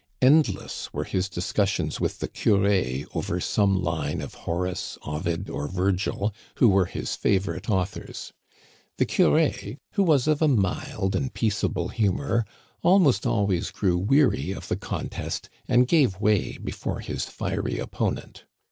Endless were his discussions with the curé over some line of Horace, Ovid, or Virgil, who were his fa vorite authors. The curé, who was of a mild and peace Digitized by VjOOQIC I06 THE CANADIANS OF OLD, able humor, almost always grew weary of the contest and gave way before his fiery opponent.